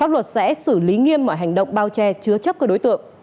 lý nghiêm mọi hành động bao che chứa chấp các đối tượng